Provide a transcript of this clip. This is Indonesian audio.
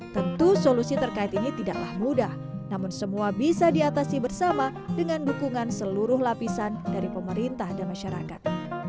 tentu solusi terkait ini tidaklah mudah namun semua bisa diatasi bersama dengan dukungan seluruh lapisan dari pemerintah dan masyarakat